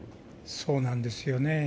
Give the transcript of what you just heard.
そうなんですよね。